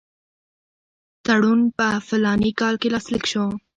تړون په فلاني کال کې لاسلیک شو.